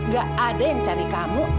gak ada yang cari kamu